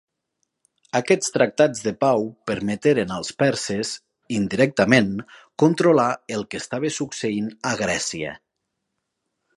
Aquests tractats de pau permeteren als perses, indirectament, controlar el que estava succeint a Grècia.